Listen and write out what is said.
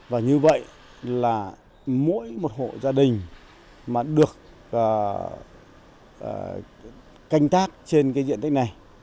và như vậy là mỗi một hộ gia đình mà được canh tác trên cái diện tích này